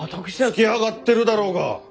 つけあがってるだろうが！